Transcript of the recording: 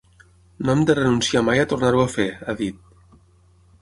“No hem de renunciar mai a tornar-ho a fer”, ha dit.